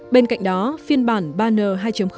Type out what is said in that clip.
bên cạnh đó phiên bản banner hai